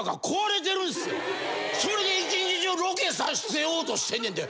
それで１日中ロケさせようとしてんねんで。